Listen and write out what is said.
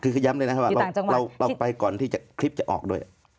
คือย้ำเลยนะครับว่าเราไปก่อนที่คลิปจะออกด้วย